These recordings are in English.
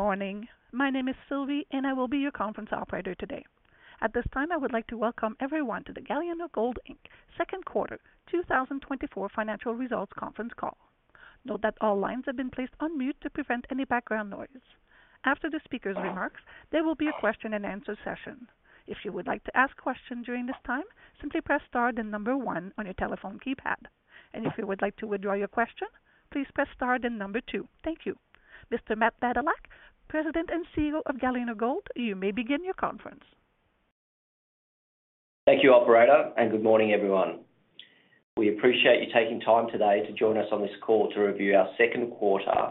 Good morning. My name is Sylvie, and I will be your conference operator today. At this time, I would like to welcome everyone to the Galiano Gold Inc. second quarter, 2024 financial results conference call. Note that all lines have been placed on mute to prevent any background noise. After the speaker's remarks, there will be a question-and-answer session. If you would like to ask questions during this time, simply press star, then number one on your telephone keypad. And if you would like to withdraw your question, please press star, then number two. Thank you. Mr. Matt Badylak, President and CEO of Galiano Gold, you may begin your conference. Thank you, operator, and good morning, everyone. We appreciate you taking time today to join us on this call to review our second quarter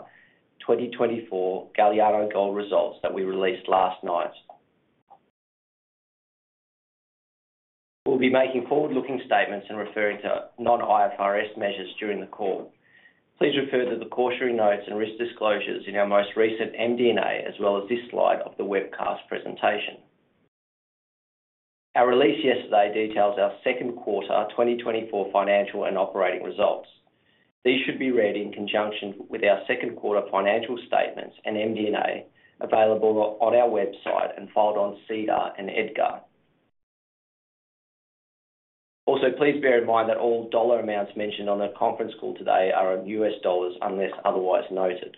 2024 Galiano Gold results that we released last night. We'll be making forward-looking statements and referring to non-IFRS measures during the call. Please refer to the cautionary notes and risk disclosures in our most recent MD&A, as well as this slide of the webcast presentation. Our release yesterday details our second quarter 2024 financial and operating results. These should be read in conjunction with our second quarter financial statements and MD&A available on our website and filed on SEDAR and EDGAR. Also, please bear in mind that all dollar amounts mentioned on the conference call today are in US dollars, unless otherwise noted.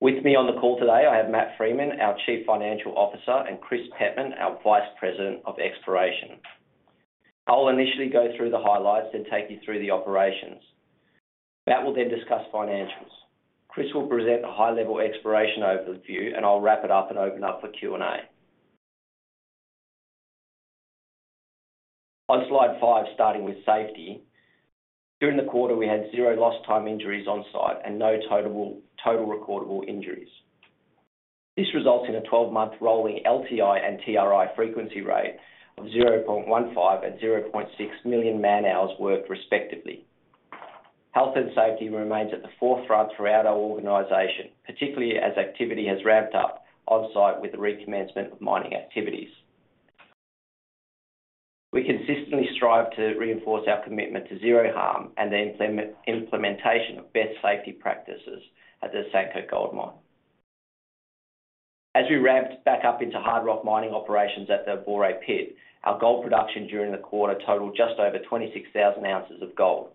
With me on the call today, I have Matt Freeman, our Chief Financial Officer, and Chris Pettman, our Vice President of Exploration. I'll initially go through the highlights, then take you through the operations. Matt will then discuss financials. Chris will present a high-level exploration overview, and I'll wrap it up and open up for Q&A. On slide 5, starting with safety. During the quarter, we had zero lost time injuries on site and no total recordable injuries. This results in a 12-month rolling LTI and TRI frequency rate of 0.15 and 0.6 million man-hours worked, respectively. Health and safety remains at the forefront throughout our organization, particularly as activity has ramped up on-site with the recommencement of mining activities. We consistently strive to reinforce our commitment to zero harm and the implementation of best safety practices at the Asanko Gold Mine. As we ramped back up into hard rock mining operations at the Abore Pit, our gold production during the quarter totaled just over 26,000 ounces of gold.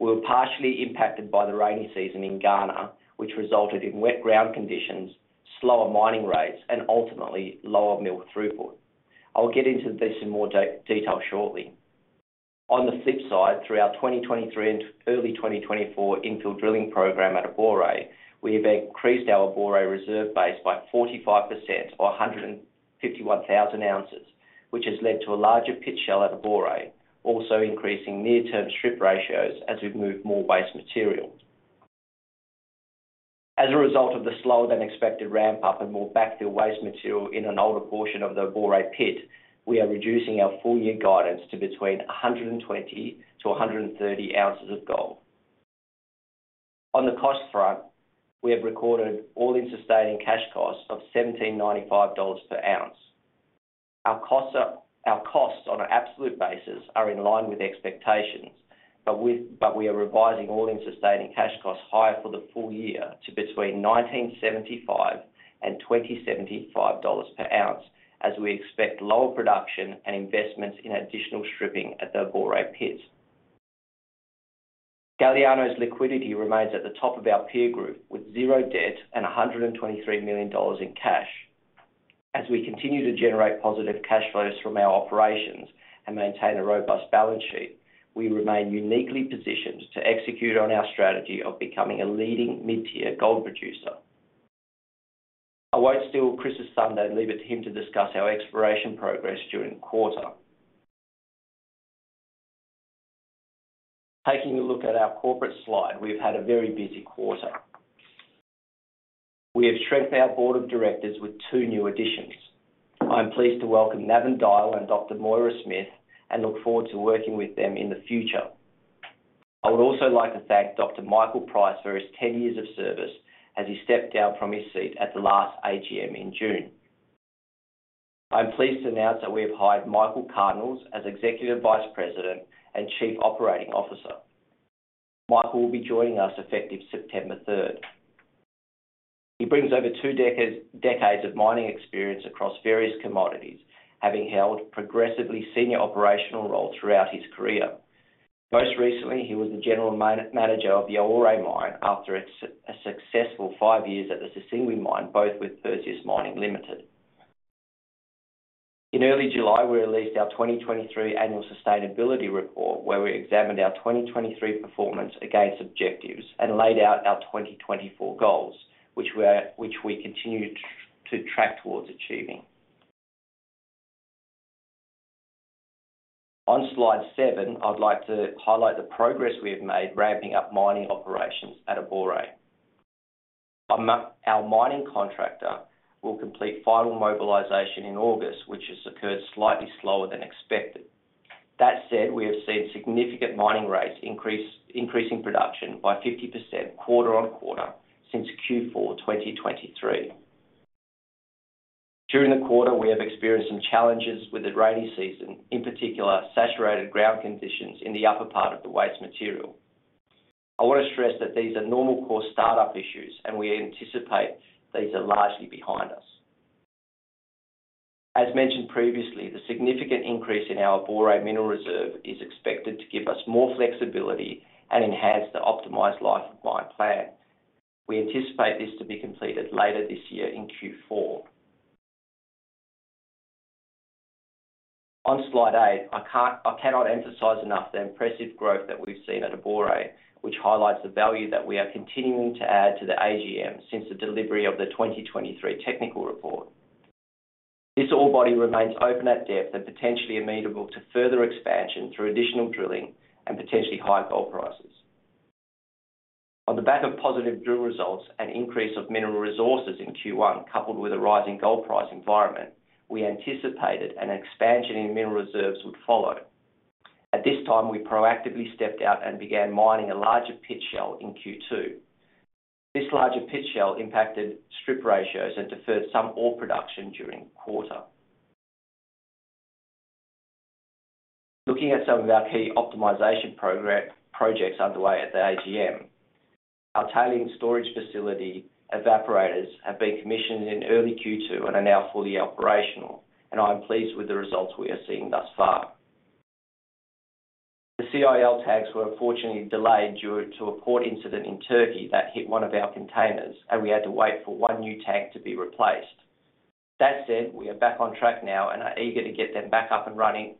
We were partially impacted by the rainy season in Ghana, which resulted in wet ground conditions, slower mining rates, and ultimately lower mill throughput. I'll get into this in more detail shortly. On the flip side, through our 2023 and early 2024 infill drilling program at Abore, we have increased our Abore reserve base by 45%, or 151,000 ounces, which has led to a larger pit shell at Abore, also increasing near-term strip ratios as we've moved more waste material. As a result of the slower than expected ramp-up and more backfill waste material in an older portion of the Abore Pit, we are reducing our full year guidance to between 120 and 130 ounces of gold. On the cost front, we have recorded all-in sustaining cash costs of $1,795 per ounce. Our costs on an absolute basis are in line with expectations, but we are revising all-in sustaining cash costs higher for the full year to between $1,975 and $2,075 per ounce, as we expect lower production and investments in additional stripping at the Abore pits. Galiano's liquidity remains at the top of our peer group, with zero debt and $123 million in cash. As we continue to generate positive cash flows from our operations and maintain a robust balance sheet, we remain uniquely positioned to execute on our strategy of becoming a leading mid-tier gold producer. I'll wait till Chris is done and leave it to him to discuss our exploration progress during the quarter. Taking a look at our corporate slide, we've had a very busy quarter. We have strengthened our board of directors with two new additions. I'm pleased to welcome Navin Dyal and Dr. Moira Smith, and look forward to working with them in the future. I would also like to thank Dr. Michael Price for his 10 years of service as he stepped down from his seat at the last AGM in June. I'm pleased to announce that we have hired Michael Cardenas as Executive Vice President and Chief Operating Officer. Michael will be joining us effective September third. He brings over two decades of mining experience across various commodities, having held progressively senior operational roles throughout his career. Most recently, he was the General Manager of the Abore Mine after a successful five years at the Sissingué Mine, both with Perseus Mining Limited. In early July, we released our 2023 Annual Sustainability Report, where we examined our 2023 performance against objectives and laid out our 2024 goals, which we continue to track towards achieving. On slide 7, I'd like to highlight the progress we have made ramping up mining operations at Abore. Our mining contractor will complete final mobilization in August, which has occurred slightly slower than expected. That said, we have seen significant mining rates increase, increasing production by 50% quarter on quarter since Q4 2023. During the quarter, we have experienced some challenges with the rainy season, in particular, saturated ground conditions in the upper part of the waste material. I want to stress that these are normal course start-up issues, and we anticipate these are largely behind us. As mentioned previously, the significant increase in our Abore mineral reserve is expected to give us more flexibility and enhance the optimized life of mine plan. We anticipate this to be completed later this year in Q4. On slide 8, I can't - I cannot emphasize enough the impressive growth that we've seen at Abore, which highlights the value that we are continuing to add to the AGM since the delivery of the 2023 technical report. This ore body remains open at depth and potentially amenable to further expansion through additional drilling and potentially higher gold prices. On the back of positive drill results and increase of mineral resources in Q1, coupled with a rising gold price environment, we anticipated an expansion in mineral reserves would follow. At this time, we proactively stepped out and began mining a larger pit shell in Q2. This larger pit shell impacted strip ratios and deferred some ore production during the quarter. Looking at some of our key optimization projects underway at the AGM, our tailings storage facility evaporators have been commissioned in early Q2 and are now fully operational, and I'm pleased with the results we are seeing thus far. The CIL tanks were unfortunately delayed due to a port incident in Turkey that hit one of our containers, and we had to wait for one new tank to be replaced. That said, we are back on track now and are eager to get them back up and running,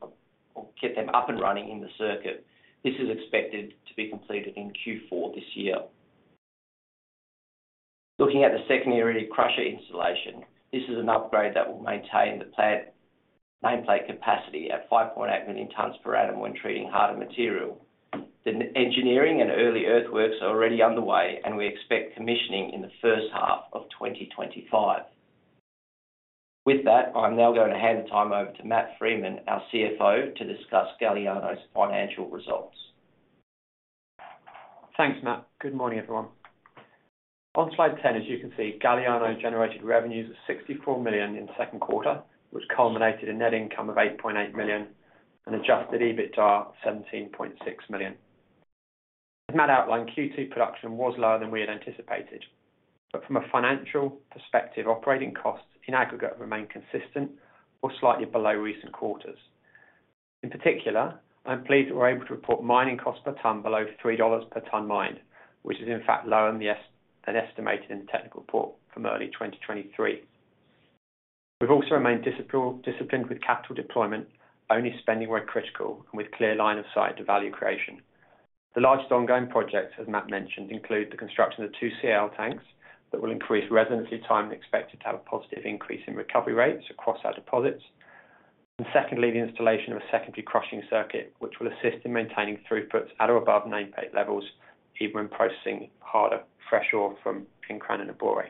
or get them up and running in the circuit. This is expected to be completed in Q4 this year. Looking at the secondary crusher installation, this is an upgrade that will maintain the plant nameplate capacity at 5.8 million tons per annum when treating harder material. The engineering and early earthworks are already underway, and we expect commissioning in the first half of 2025. With that, I'm now going to hand the time over to Matt Freeman, our CFO, to discuss Galiano's financial results. Thanks, Matt. Good morning, everyone. On slide 10, as you can see, Galiano generated revenues of $64 million in the second quarter, which culminated in net income of $8.8 million and adjusted EBITDA, $17.6 million. As Matt outlined, Q2 production was lower than we had anticipated, but from a financial perspective, operating costs in aggregate remained consistent or slightly below recent quarters. In particular, I'm pleased that we're able to report mining costs per ton below $3 per ton mined, which is in fact lower than the than estimated in the technical report from early 2023. We've also remained disciplined with capital deployment, only spending where critical and with clear line of sight to value creation. The largest ongoing projects, as Matt mentioned, include the construction of two CIL tanks that will increase residency time and expected to have a positive increase in recovery rates across our deposits. Secondly, the installation of a secondary crushing circuit, which will assist in maintaining throughputs at or above nameplate levels, even when processing harder, fresh ore from Nkran and Abore.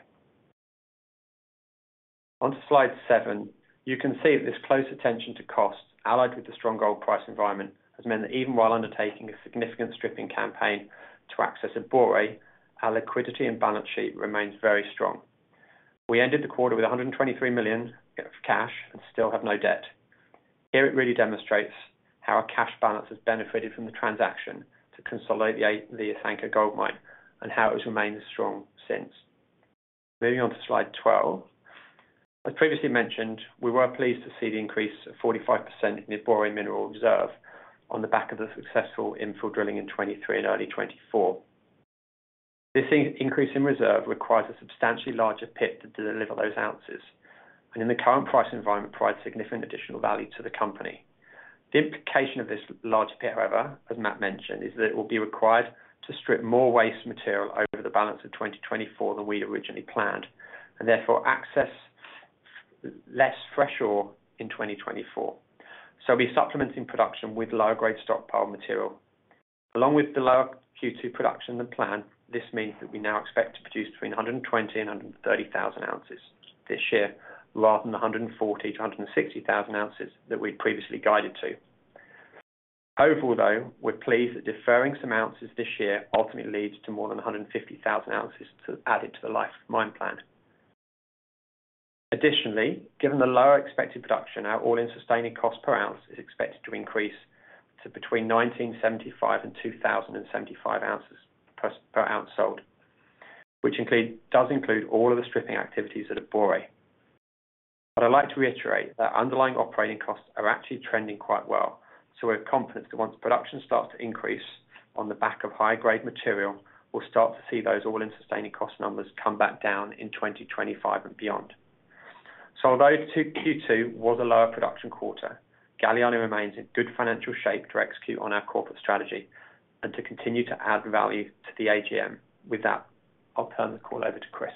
On to slide seven, you can see that this close attention to cost, allied with the strong gold price environment, has meant that even while undertaking a significant stripping campaign to access Abore, our liquidity and balance sheet remains very strong. We ended the quarter with $123 million of cash and still have no debt. Here, it really demonstrates how our cash balance has benefited from the transaction to consolidate the Asanko Gold Mine and how it has remained strong since. Moving on to slide 12. As previously mentioned, we were pleased to see the increase of 45% in the Abore mineral reserve on the back of the successful infill drilling in 2023 and early 2024. This increase in reserve requires a substantially larger pit to deliver those ounces, and in the current price environment, provides significant additional value to the company. The implication of this larger pit, however, as Matt mentioned, is that it will be required to strip more waste material over the balance of 2024 than we had originally planned, and therefore, access less fresh ore in 2024. So we're supplementing production with lower grade stockpile material. Along with the lower Q2 production than planned, this means that we now expect to produce between 120,000 and 130,000 ounces this year, rather than 140,000-160,000 ounces that we'd previously guided to. Overall, though, we're pleased that deferring some ounces this year ultimately leads to more than 150,000 ounces to add into the life of mine plan. Additionally, given the lower expected production, our all-in sustaining cost per ounce is expected to increase to between $1,975 and $2,075 per ounce sold, which does include all of the stripping activities at Abore. I'd like to reiterate that underlying operating costs are actually trending quite well, so we're confident that once production starts to increase on the back of high-grade material, we'll start to see those all-in sustaining cost numbers come back down in 2025 and beyond. Although Q2 was a lower production quarter, Galiano remains in good financial shape to execute on our corporate strategy and to continue to add value to the AGM. With that, I'll turn the call over to Chris.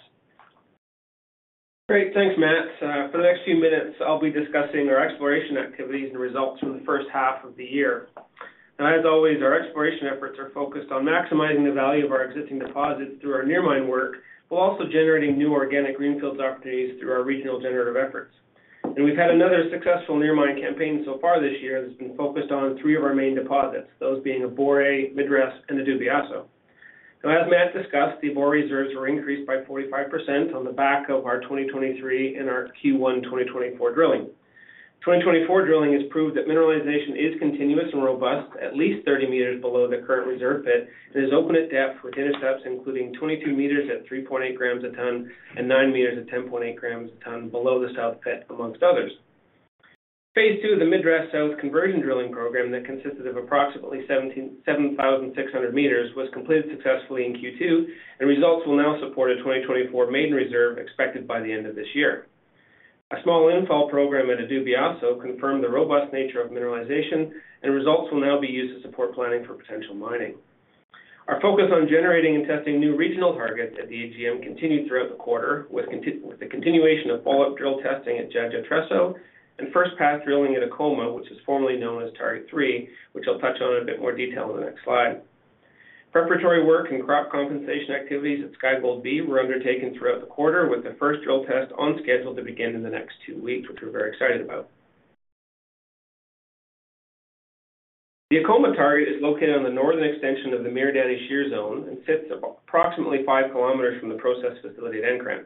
Great. Thanks, Matt. For the next few minutes, I'll be discussing our exploration activities and results from the first half of the year. And as always, our exploration efforts are focused on maximizing the value of our existing deposits through our near mine work, while also generating new organic greenfields opportunities through our regional generative efforts. And we've had another successful near mine campaign so far this year, that's been focused on three of our main deposits, those being Abore, Midras, and the Adubiaso. ... So as Matt discussed, the ore reserves were increased by 45% on the back of our 2023 and our Q1 2024 drilling. 2024 drilling has proved that mineralization is continuous and robust, at least 30 meters below the current reserve pit, and is open at depth with intercepts, including 22 meters at 3.8 grams a ton and 9 meters at 10.8 grams a ton below the south pit, among others. Phase two of the Midras South conversion drilling program that consisted of approximately 7,600 meters, was completed successfully in Q2, and results will now support a 2024 maiden reserve expected by the end of this year. A small infill program at Adubiaso confirmed the robust nature of mineralization, and results will now be used to support planning for potential mining. Our focus on generating and testing new regional targets at the AGM continued throughout the quarter, with the continuation of follow-up drill testing at Gyaji, and first pass drilling at Akoma, which is formerly known as Target Three, which I'll touch on in a bit more detail in the next slide. Preparatory work and crop compensation activities at Sky Gold B were undertaken throughout the quarter, with the first drill test on schedule to begin in the next two weeks, which we're very excited about. The Akoma target is located on the northern extension of the Miradani Shear Zone and sits approximately five kilometers from the process facility at Nkran.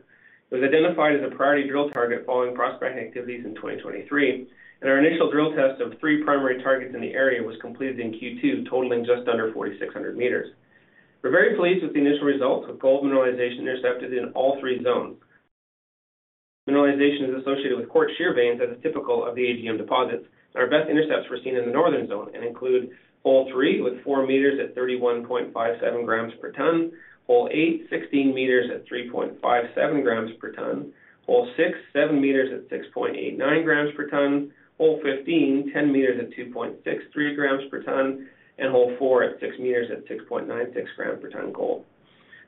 It was identified as a priority drill target following prospecting activities in 2023, and our initial drill test of three primary targets in the area was completed in Q2, totaling just under 4,600 meters. We're very pleased with the initial results of gold mineralization intercepted in all three zones. Mineralization is associated with quartz shear veins, as is typical of the AGM deposits. Our best intercepts were seen in the northern zone and include hole 3, with 4 meters at 31.57 grams per ton, hole 8, 16 meters at 3.57 grams per ton, hole 6, 7 meters at 6.89 grams per ton, hole 15, 10 meters at 2.63 grams per ton, and hole 4 at 6 meters at 6.96 grams per ton gold.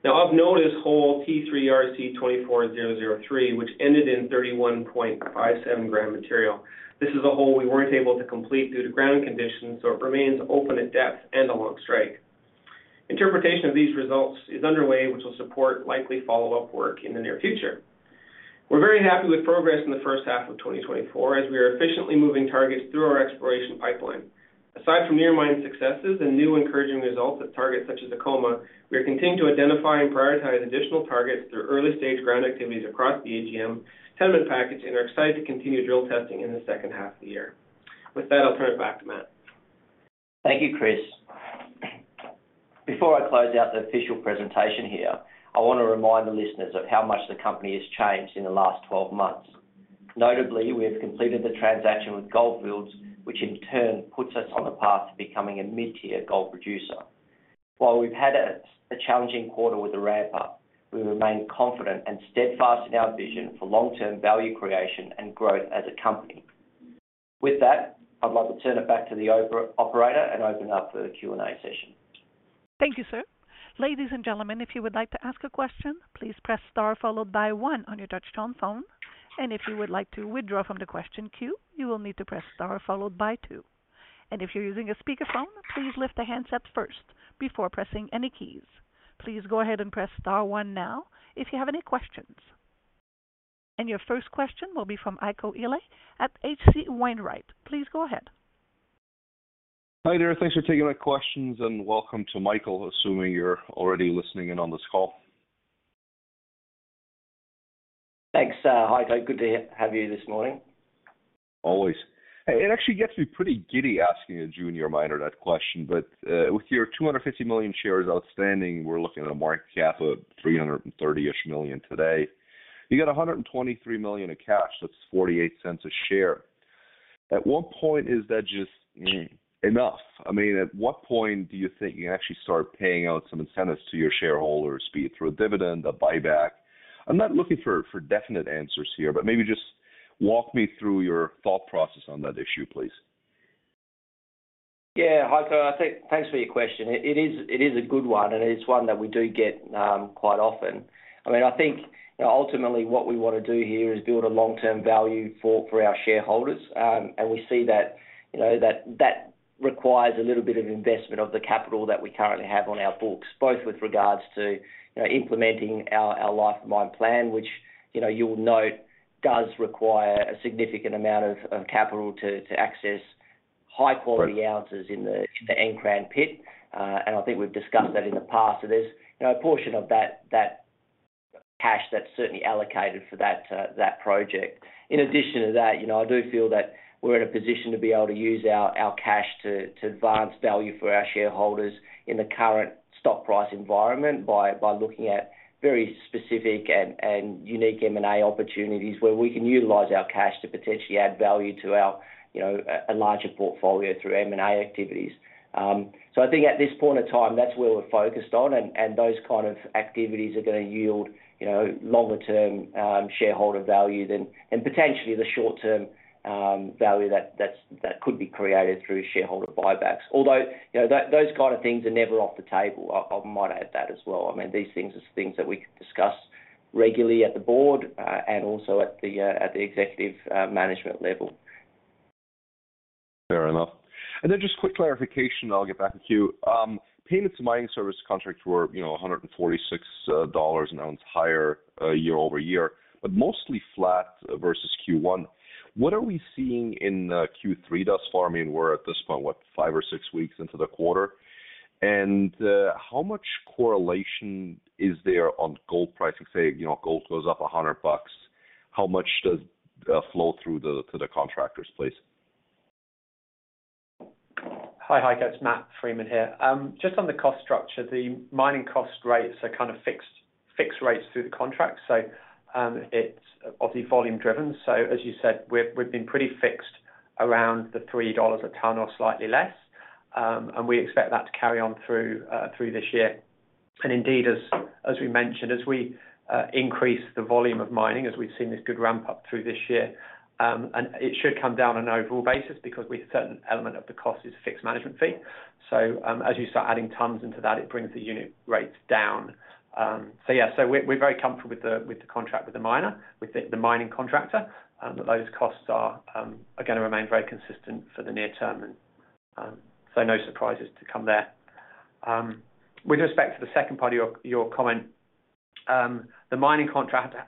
Now, of note is hole T3RC24003, which ended in 31.57 gram material. This is a hole we weren't able to complete due to ground conditions, so it remains open at depth and along strike. Interpretation of these results is underway, which will support likely follow-up work in the near future. We're very happy with progress in the first half of 2024, as we are efficiently moving targets through our exploration pipeline. Aside from near mine successes and new encouraging results at targets such as Akoma, we are continuing to identify and prioritize additional targets through early-stage ground activities across the AGM tenement package, and are excited to continue drill testing in the second half of the year. With that, I'll turn it back to Matt. Thank you, Chris. Before I close out the official presentation here, I want to remind the listeners of how much the company has changed in the last 12 months. Notably, we have completed the transaction with Gold Fields, which in turn puts us on the path to becoming a mid-tier gold producer. While we've had a challenging quarter with the ramp up, we remain confident and steadfast in our vision for long-term value creation and growth as a company. With that, I'd like to turn it back to the operator and open it up for the Q&A session. Thank you, sir. Ladies and gentlemen, if you would like to ask a question, please press star followed by one on your touchtone phone. And if you would like to withdraw from the question queue, you will need to press star followed by two. And if you're using a speakerphone, please lift the handset first before pressing any keys. Please go ahead and press star one now if you have any questions. And your first question will be from Heiko Ihle at H.C. Wainwright. Please go ahead. Hi there, thanks for taking my questions, and welcome to Michael, assuming you're already listening in on this call. Thanks, Heiko. Good to have you this morning. Always. It actually gets me pretty giddy asking a junior miner that question, but with your 250 million shares outstanding, we're looking at a market cap of $330-ish million today. You got $123 million in cash, that's $0.48 a share. At what point is that just enough? I mean, at what point do you think you actually start paying out some incentives to your shareholders, be it through a dividend, a buyback? I'm not looking for definite answers here, but maybe just walk me through your thought process on that issue, please. Yeah, Heiko, I think, thanks for your question. It is a good one, and it's one that we do get quite often. I mean, I think, you know, ultimately what we want to do here is build a long-term value for our shareholders. And we see that, you know, that requires a little bit of investment of the capital that we currently have on our books, both with regards to, you know, implementing our life of mine plan, which, you know, you'll note, does require a significant amount of capital to access high quality- Right... ounces in the Nkran pit. And I think we've discussed that in the past. So there's, you know, a portion of that cash that's certainly allocated for that project. In addition to that, you know, I do feel that we're in a position to be able to use our cash to advance value for our shareholders in the current stock price environment by looking at very specific and unique M&A opportunities, where we can utilize our cash to potentially add value to our, you know, a larger portfolio through M&A activities. So I think at this point in time, that's where we're focused on, and those kind of activities are gonna yield, you know, longer-term shareholder value than, and potentially the short-term value that could be created through shareholder buybacks. Although, you know, that, those kind of things are never off the table. I might add that as well. I mean, these things are things that we discuss regularly at the board, and also at the executive management level. Fair enough. Then just quick clarification, I'll get back to you. Payments to mining service contracts were, you know, $146 an ounce higher year-over-year, but mostly flat versus Q1. What are we seeing in Q3 thus far? I mean, we're at this point, what, 5 or 6 weeks into the quarter. And how much correlation is there on gold pricing? Say, you know, gold goes up $100-... how much does flow through to the contractor's place? Hi, guys, Matt Freeman here. Just on the cost structure, the mining cost rates are kind of fixed, fixed rates through the contract. So, it's obviously volume driven. So as you said, we've been pretty fixed around $3 a ton or slightly less. And we expect that to carry on through this year. And indeed, as we mentioned, as we increase the volume of mining, as we've seen this good ramp-up through this year, and it should come down on an overall basis because a certain element of the cost is a fixed management fee. So, as you start adding tons into that, it brings the unit rates down. So yeah, so we're very comfortable with the contract with the miner, with the mining contractor, that those costs are gonna remain very consistent for the near term, and so no surprises to come there. With respect to the second part of your comment, the mining contractor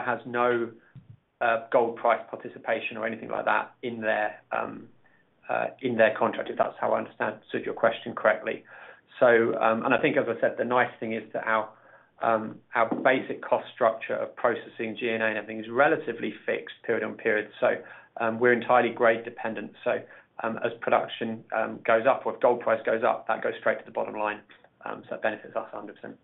has no gold price participation or anything like that in their contract, if that's how I understand answered your question correctly. So, and I think, as I said, the nice thing is that our basic cost structure of processing G&A and everything is relatively fixed period on period. So, we're entirely grade dependent. So, as production goes up or if gold price goes up, that goes straight to the bottom line. So it benefits us 100%. Thank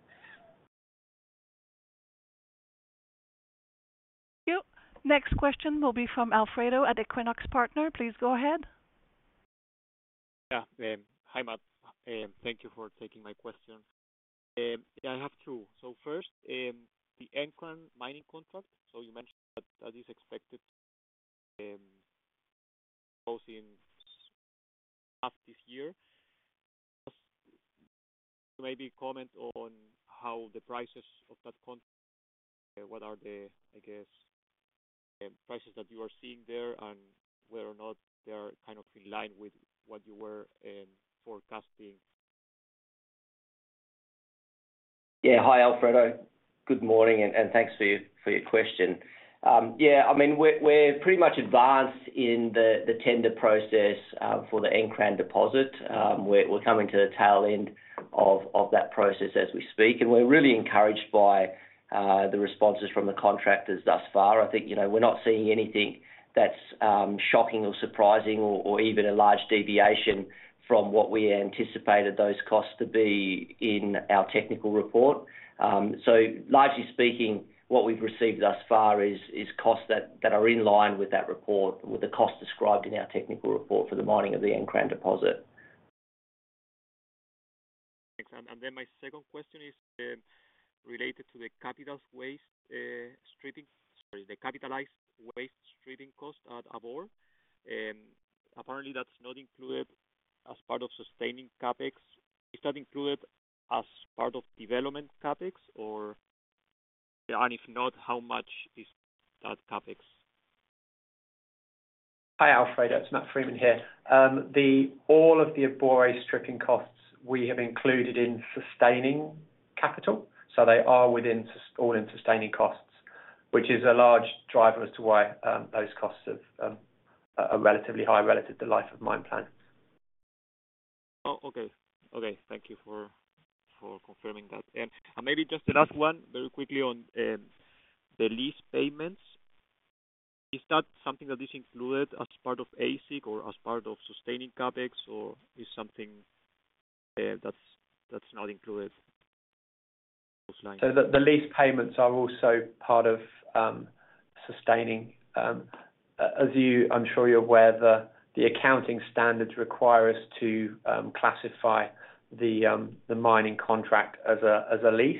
you. Next question will be from Alfredo Chang at Equinox Partners. Please go ahead. Yeah, hi, Matt, thank you for taking my question. Yeah, I have two. So first, the Nkran mining contract, so you mentioned that that is expected closing half this year. Just maybe comment on how the prices of that contract, what are the, I guess, prices that you are seeing there, and whether or not they are kind of in line with what you were forecasting? Yeah. Hi, Alfredo. Good morning, and thanks for your question. Yeah, I mean, we're pretty much advanced in the tender process for the Nkran deposit. We're coming to the tail end of that process as we speak, and we're really encouraged by the responses from the contractors thus far. I think, you know, we're not seeing anything that's shocking or surprising, or even a large deviation from what we anticipated those costs to be in our technical report. So largely speaking, what we've received thus far is costs that are in line with that report, with the cost described in our technical report for the mining of the Nkran deposit. Thanks. And then my second question is related to the capitalized waste stripping cost at Abore. Apparently that's not included as part of sustaining CapEx. Is that included as part of development CapEx, or? And if not, how much is that CapEx? Hi, Alfredo. It's Matt Freeman here. All of the Abore stripping costs we have included in sustaining capital, so they are within all in sustaining costs, which is a large driver as to why those costs are relatively high relative to life of mine plan. Oh, okay. Okay, thank you for confirming that. And maybe just the last one, very quickly on the lease payments. Is that something that is included as part of AISC or as part of sustaining CapEx, or is something that's not included? So the lease payments are also part of sustaining. As you, I'm sure you're aware, the accounting standards require us to classify the mining contract as a lease,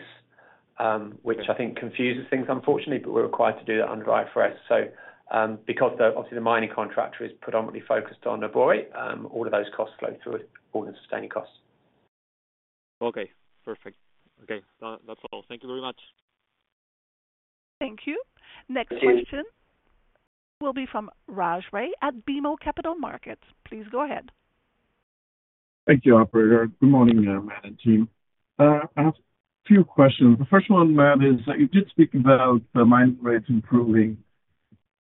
which I think confuses things, unfortunately, but we're required to do that under IFRS. So, because, obviously, the mining contractor is predominantly focused on Abore, all of those costs flow through all the sustaining costs. Okay, perfect. Okay, that's all. Thank you very much. Thank you. Thank you. Next question will be from Raj Ray at BMO Capital Markets. Please go ahead. Thank you, operator. Good morning, Matt and team. I have two questions. The first one, Matt, is, you did speak about the mining rates improving.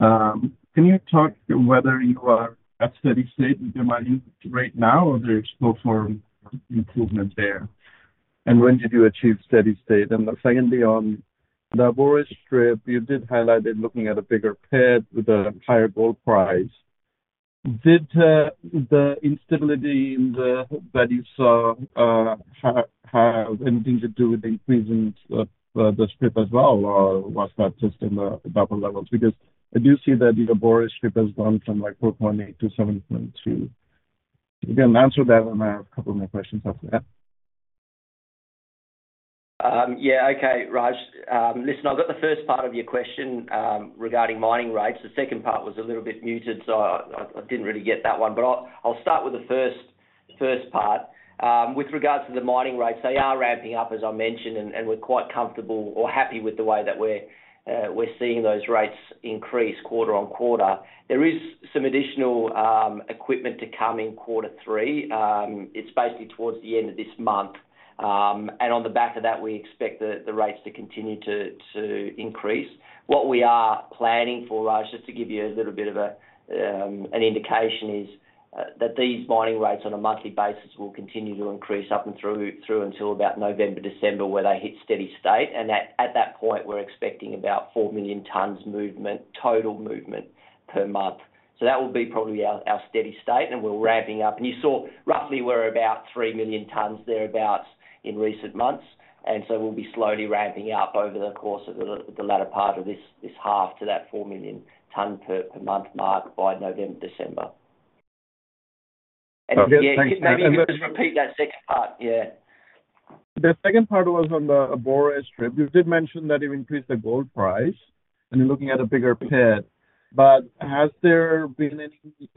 Can you talk whether you are at steady state with your mining rate now, or there is still room for improvement there? And when did you achieve steady state? And secondly, on the Abore strip, you did highlight that looking at a bigger pit with a higher gold price. Did the instability in the... that you saw have anything to do with the increases of the strip as well, or was that just in the buffer levels? Because I do see that the Abore strip has gone from, like, 4.8-7.2. You can answer that, and I have a couple more questions after that. Yeah, okay, Raj. Listen, I've got the first part of your question regarding mining rates. The second part was a little bit muted, so I didn't really get that one, but I'll start with the first part. With regards to the mining rates, they are ramping up, as I mentioned, and we're quite comfortable or happy with the way that we're seeing those rates increase quarter on quarter. There is some additional equipment to come in quarter three. It's basically towards the end of this month. And on the back of that, we expect the rates to continue to increase. What we are planning for, Raj, just to give you a little bit of a, an indication, is, that these mining rates on a monthly basis will continue to increase up and through until about November, December, where they hit steady state. And at that point, we're expecting about 4 million tons movement, total movement per month.... So that will be probably our steady state, and we're ramping up. And you saw roughly we're about 3 million tons thereabout in recent months, and so we'll be slowly ramping up over the course of the latter part of this half to that 4 million ton per month mark by November, December. Okay, thanks. Maybe just repeat that second part. Yeah. The second part was on the Abore strip. You did mention that you increased the gold price, and you're looking at a bigger pit. But has there been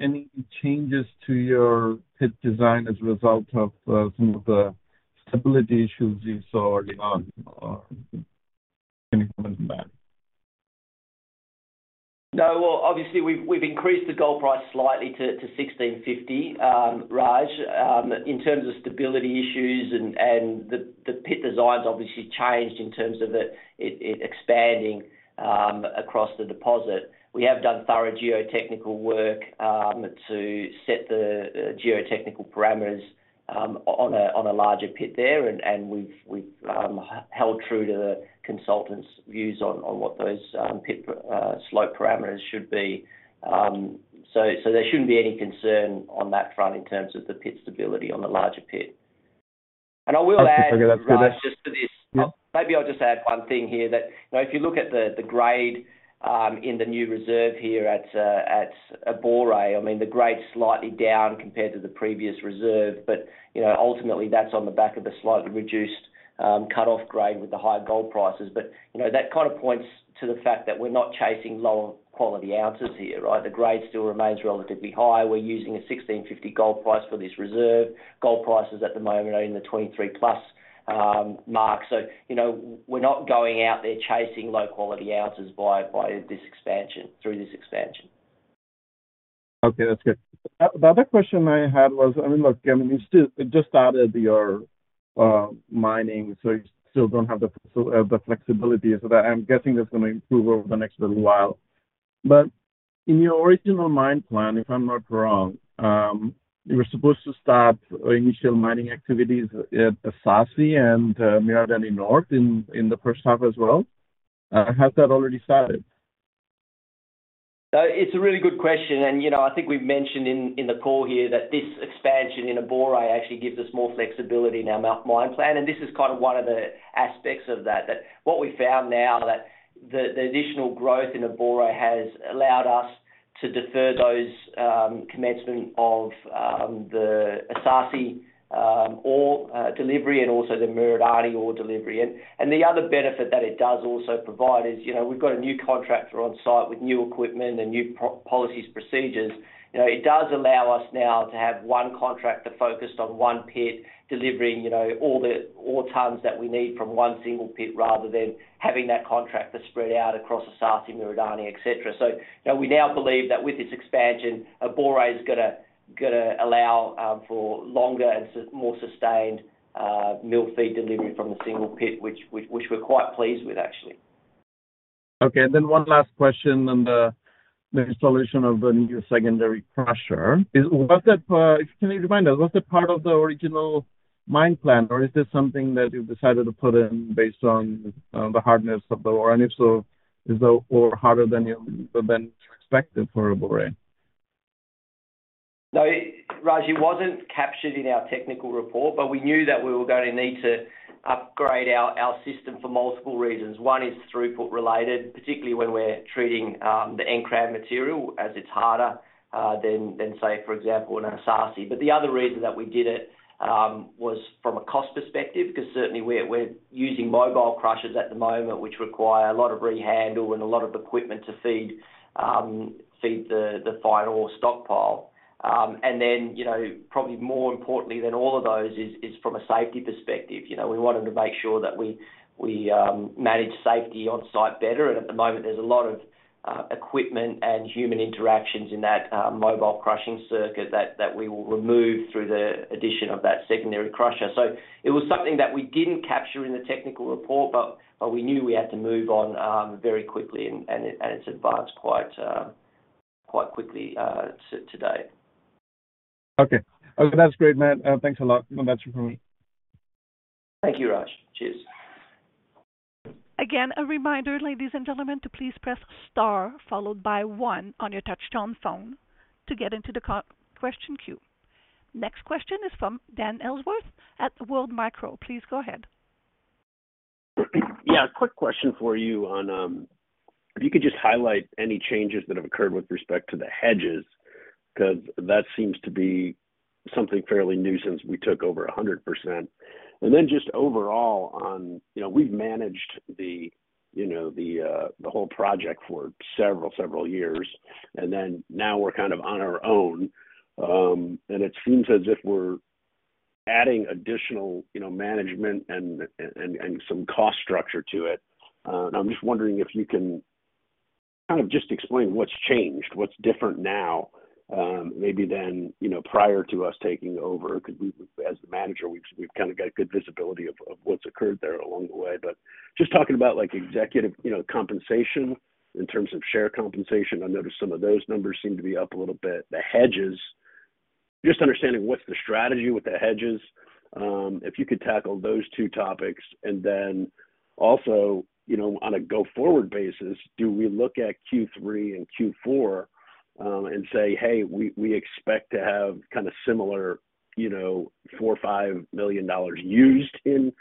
any changes to your pit design as a result of some of the stability issues you saw early on? Any comment on that? No. Well, obviously, we've increased the gold price slightly to $1,650, Raj. In terms of stability issues and the pit design's obviously changed in terms of it expanding across the deposit. We have done thorough geotechnical work to set the geotechnical parameters on a larger pit there. And we've held true to the consultants' views on what those pit slope parameters should be. So there shouldn't be any concern on that front in terms of the pit stability on the larger pit. And I will add, Raj, just to this- Yeah. Maybe I'll just add one thing here, that, you know, if you look at the grade in the new reserve here at Abore, I mean, the grade's slightly down compared to the previous reserve, but, you know, ultimately, that's on the back of a slightly reduced cutoff grade with the high gold prices. But, you know, that kind of points to the fact that we're not chasing lower quality ounces here, right? The grade still remains relatively high. We're using a $1,650 gold price for this reserve. Gold prices at the moment are in the $2,300+ mark. So, you know, we're not going out there chasing low-quality ounces by this expansion, through this expansion. Okay, that's good. The other question I had was, I mean, look, I mean, you still just started your mining, so you still don't have the flexibility. So I'm guessing that's going to improve over the next little while. But in your original mine plan, if I'm not wrong, you were supposed to start initial mining activities at Esaase and Miradani North in the first half as well. Has that already started? It's a really good question, and, you know, I think we've mentioned in the call here that this expansion in Abore actually gives us more flexibility in our mine plan, and this is kind of one of the aspects of that. That what we found now, that the additional growth in Abore has allowed us to defer those commencement of the Esaase ore delivery and also the Miradani ore delivery. And the other benefit that it does also provide is, you know, we've got a new contractor on site with new equipment and new policies, procedures. You know, it does allow us now to have one contractor focused on one pit, delivering, you know, all the ore tons that we need from one single pit, rather than having that contractor spread out across Esaase, Miradani, et cetera. So, you know, we now believe that with this expansion, Abore is gonna allow for longer and more sustained mill feed delivery from a single pit, which we're quite pleased with, actually. Okay. And then one last question on the installation of the new secondary crusher. Was that... Can you remind us, was that part of the original mine plan, or is this something that you've decided to put in based on the hardness of the ore? And if so, is the ore harder than you expected for Abore? No, Raj, it wasn't captured in our technical report, but we knew that we were going to need to upgrade our system for multiple reasons. One is throughput related, particularly when we're treating the Nkran material, as it's harder than, say, for example, in Esaase. But the other reason that we did it was from a cost perspective, because certainly we're using mobile crushers at the moment, which require a lot of rehandle and a lot of equipment to feed the final stockpile. And then, you know, probably more importantly than all of those is from a safety perspective. You know, we wanted to make sure that we manage safety on site better, and at the moment, there's a lot of equipment and human interactions in that mobile crushing circuit that we will remove through the addition of that secondary crusher. So it was something that we didn't capture in the technical report, but we knew we had to move on very quickly, and it's advanced quite quickly to date. Okay. That's great, Matt. Thanks a lot. That's it for me. Thank you, Raj. Cheers. Again, a reminder, ladies and gentlemen, to please press star followed by one on your touch-tone phone to get into the question queue. Next question is from Dan Ellsworth at the World Micro. Please go ahead. Yeah, a quick question for you on if you could just highlight any changes that have occurred with respect to the hedges, 'cause that seems to be something fairly new since we took over 100%. And then just overall on, you know, we've managed the, you know, the whole project for several years, and then now we're kind of on our own. And it seems as if we're adding additional, you know, management and some cost structure to it. And I'm just wondering if you can kind of just explain what's changed, what's different now, maybe than, you know, prior to us taking over, because we, as the manager, we've kind of got good visibility of what's occurred there along the way. But just talking about, like, executive, you know, compensation in terms of share compensation, I noticed some of those numbers seem to be up a little bit. The hedges—just understanding what's the strategy with the hedges? If you could tackle those two topics, and then also, you know, on a go-forward basis, do we look at Q3 and Q4, and say, "Hey, we, we expect to have kind of similar, you know, $4 million or $5 million used in,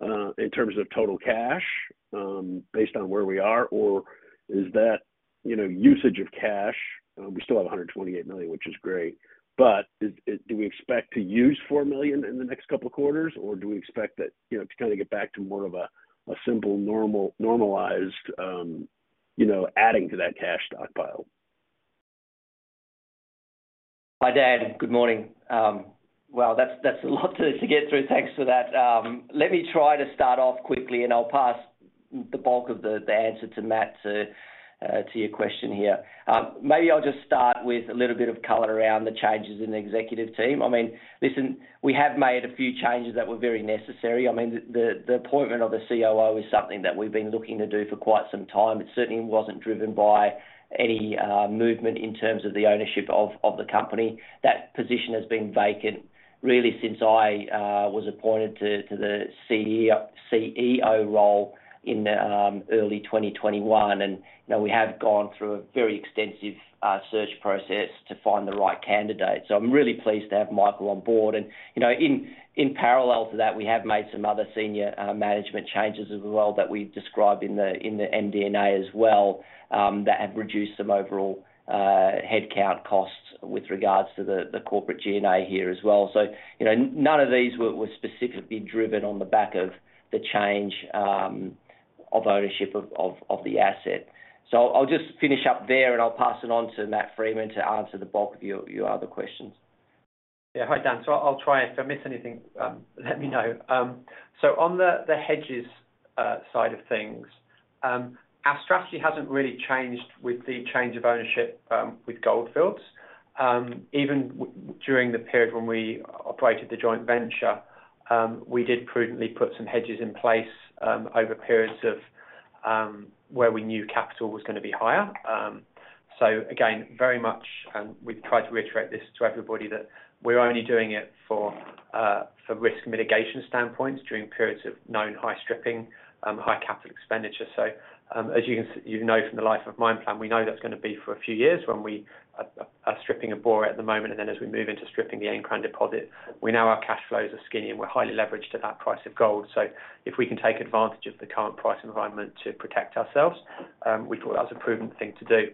in terms of total cash, based on where we are?" Or is that, you know, usage of cash, we still have $128 million, which is great, but is, is-- do we expect to use $4 million in the next couple of quarters, or do we expect that, you know, to kind of get back to more of a, a simple, normal- normalized, you know, adding to that cash stockpile? Hi, Dan. Good morning. Well, that's a lot to get through. Thanks for that. Let me try to start off quickly, and I'll pass the bulk of the answer to Matt to your question here. Maybe I'll just start with a little bit of color around the changes in the executive team. I mean, listen, we have made a few changes that were very necessary. I mean, the appointment of a COO is something that we've been looking to do for quite some time. It certainly wasn't driven by any movement in terms of the ownership of the company. That position has been vacant, really, since I was appointed to the CEO role in early 2021. And, you know, we have gone through a very extensive search process to find the right candidate. So I'm really pleased to have Michael on board. And, you know, in parallel to that, we have made some other senior management changes as well, that we described in the MD&A as well, that have reduced some overall headcount costs with regards to the corporate G&A here as well. So, you know, none of these were specifically driven on the back of the change of ownership of the asset. So I'll just finish up there, and I'll pass it on to Matt Freeman to answer the bulk of your other questions. Yeah. Hi, Dan. So I'll try. If I miss anything, let me know. So on the hedges side of things, our strategy hasn't really changed with the change of ownership with Gold Fields. Even during the period when we operated the joint venture, we did prudently put some hedges in place over periods of where we knew capital was gonna be higher. So again, very much, and we've tried to reiterate this to everybody, that we're only doing it for for risk mitigation standpoints during periods of known high stripping, high capital expenditure. So, as you can you know, from the life of mine plan, we know that's gonna be for a few years when we are stripping Abore at the moment, and then as we move into stripping the Nkran deposit, we know our cash flows are skinny, and we're highly leveraged at that price of gold. So if we can take advantage of the current price environment to protect ourselves, we thought that was a prudent thing to do.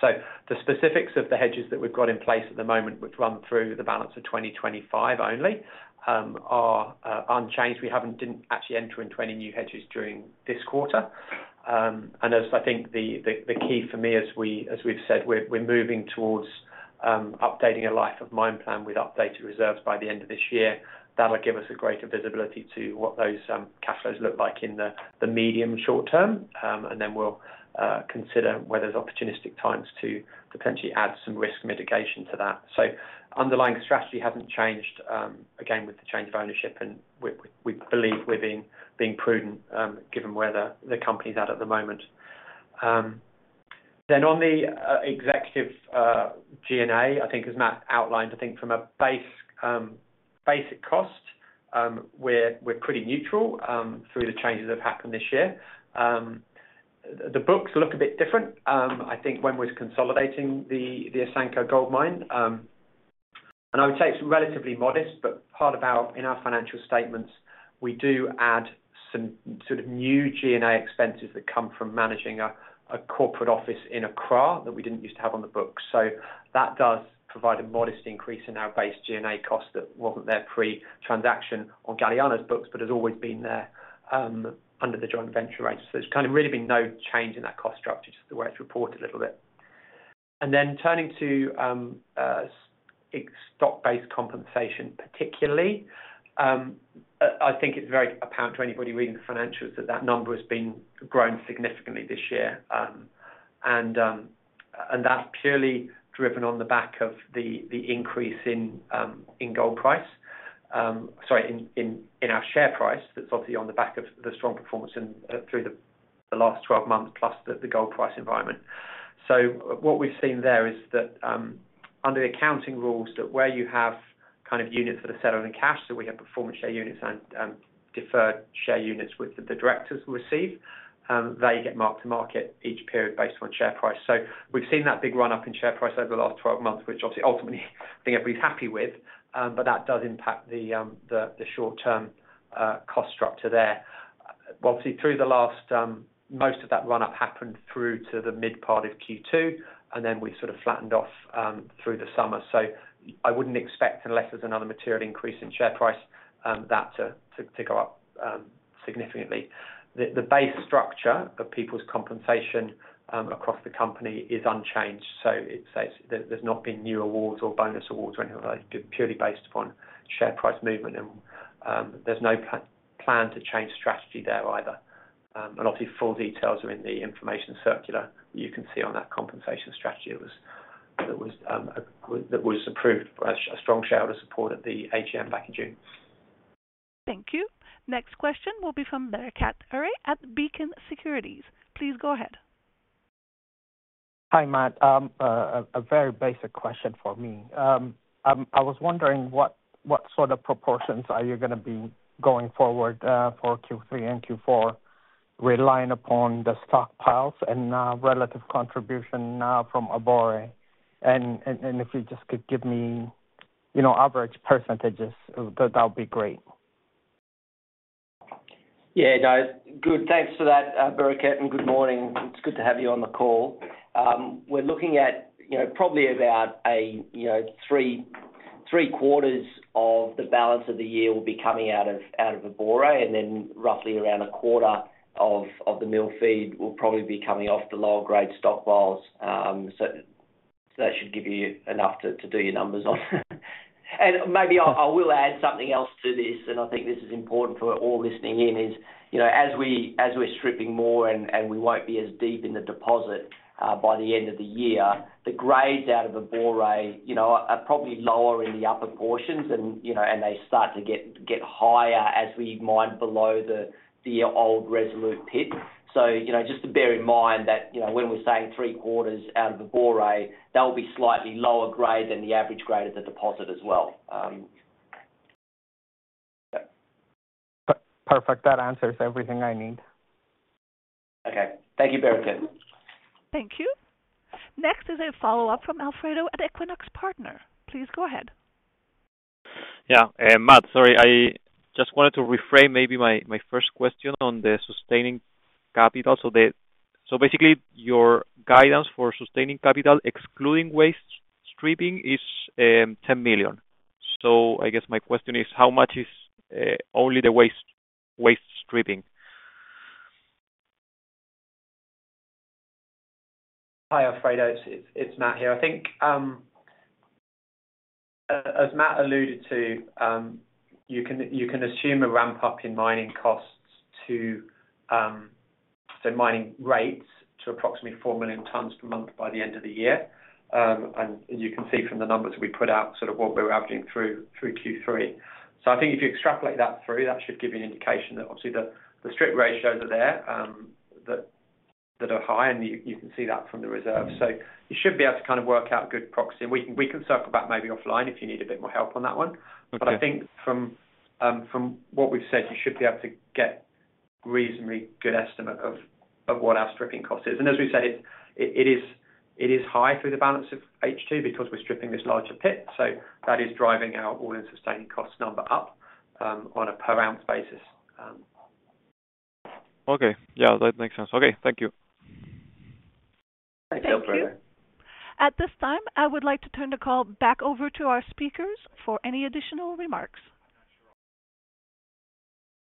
So the specifics of the hedges that we've got in place at the moment, which run through the balance of 2025 only, are unchanged. We didn't actually enter into any new hedges during this quarter. As I think the key for me, as we've said, we're moving towards updating a life-of-mine plan with updated reserves by the end of this year. That'll give us a greater visibility to what those cash flows look like in the medium- to short-term. And then we'll consider where there's opportunistic times to potentially add some risk mitigation to that. So underlying strategy hasn't changed, again, with the change of ownership, and we believe we're being prudent, given where the company's at the moment. On the executive G&A, I think as Matt outlined, I think from a base basic cost, we're pretty neutral through the changes that have happened this year. The books look a bit different. I think when we're consolidating the Asanko Gold Mine, and I would say it's relatively modest, but part of our... in our financial statements, we do add some sort of new G&A expenses that come from managing a corporate office in Accra that we didn't used to have on the books. So that does provide a modest increase in our base G&A costs that wasn't there pre-transaction on Galiano's books, but has always been there, under the joint venture rates. So there's kind of really been no change in that cost structure, just the way it's reported a little bit. And then turning to ex- stock-based compensation, particularly, I think it's very apparent to anybody reading the financials, that that number has been growing significantly this year. And that's purely driven on the back of the increase in our share price. That's obviously on the back of the strong performance through the last 12 months, plus the gold price environment. So what we've seen there is that under the accounting rules, where you have kind of units that are set up in cash, so we have Performance Share Units and Deferred Share Units, which the directors will receive. They get marked to market each period based on share price. So we've seen that big run-up in share price over the last 12 months, which obviously, ultimately, I think everybody's happy with, but that does impact the short-term cost structure there. Well, obviously, through the last, most of that run-up happened through to the mid-part of Q2, and then we sort of flattened off through the summer. So I wouldn't expect, unless there's another material increase in share price, that to go up significantly. The base structure of people's compensation across the company is unchanged, so it's - there's not been new awards or bonus awards or anything like that, purely based upon share price movement and, there's no plan to change strategy there either. And obviously, full details are in the information circular. You can see on that compensation strategy, it was approved a strong share of the support at the AGM back in June. Thank you. Next question will be from Bereket Berhe at Beacon Securities. Please go ahead. Hi, Matt. A very basic question for me. I was wondering what sort of proportions are you gonna be going forward for Q3 and Q4, relying upon the stockpiles and relative contribution now from Abore? And if you just could give me, you know, average percentages, that would be great. Yeah. No. Good. Thanks for that, Bereket, and good morning. It's good to have you on the call. We're looking at, you know, probably about a, you know, three quarters of the balance of the year will be coming out of, out of Abore, and then roughly around a quarter of the mill feed will probably be coming off the lower grade stockpiles. So that should give you enough to do your numbers on. And maybe I, I will add something else to this, and I think this is important for all listening in, is, you know, as we, as we're stripping more and, and we won't be as deep in the deposit, by the end of the year, the grades out of Abore, you know, are probably lower in the upper portions and, you know, and they start to get, get higher as we mine below the, the old Resolute pit. So, you know, just to bear in mind that, you know, when we're saying three quarters out of Abore, that will be slightly lower grade than the average grade of the deposit as well. Perfect. That answers everything I need. Okay. Thank you, Bereket. Thank you. Next is a follow-up from Alfredo at Equinox Partners. Please go ahead. Yeah, Matt, sorry. I just wanted to reframe maybe my first question on the sustaining capital. So basically, your guidance for sustaining capital, excluding waste stripping, is $10 million. So I guess my question is, how much is only the waste stripping? Hi, Alfredo. It's Matt here. I think, as Matt alluded to, you can assume a ramp up in mining costs to so mining rates to approximately 4 million tons per month by the end of the year. And you can see from the numbers we put out, sort of what we're averaging through Q3. So I think if you extrapolate that through, that should give you an indication that obviously the strip ratios are there, that are high, and you can see that from the reserves. So you should be able to kind of work out a good proxy. We can circle back maybe offline, if you need a bit more help on that one. Okay. But I think from what we've said, you should be able to get reasonably good estimate of what our stripping cost is. And as we've said, it is high through the balance of H2, because we're stripping this larger pit, so that is driving our All-in Sustaining Cost number up, on a per ounce basis. Okay. Yeah, that makes sense. Okay. Thank you. Thanks, Alfredo. Thank you. At this time, I would like to turn the call back over to our speakers for any additional remarks.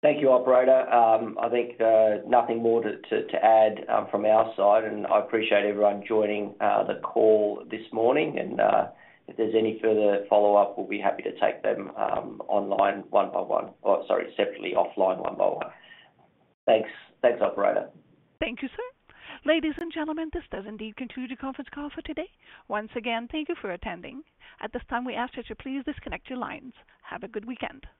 Thank you, operator. I think nothing more to add from our side, and I appreciate everyone joining the call this morning. If there's any further follow-up, we'll be happy to take them online, one by one. Oh, sorry, separately, offline, one by one. Thanks. Thanks, operator. Thank you, sir. Ladies and gentlemen, this does indeed conclude the conference call for today. Once again, thank you for attending. At this time, we ask you to please disconnect your lines. Have a good weekend.